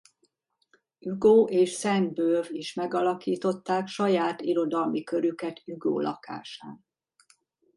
Hugo és Saint-Beuve is megalakították saját irodalmi körüket Hugo lakásán.